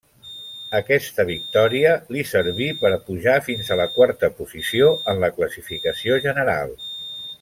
Aquesta victòria li serví per pujar fins a la quarta posició en la classificació general.